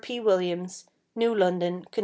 P. Williams, New London, Conn.